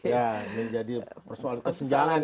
ya menjadi persoalan kesejangan